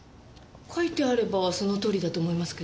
書いてあればそのとおりだと思いますけど。